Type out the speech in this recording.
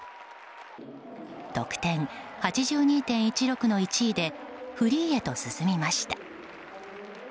得点、８２．１６の１位でフリーへと進みました。